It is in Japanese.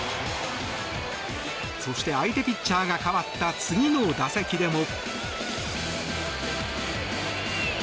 そして相手ピッチャーが代わった次の打席でも。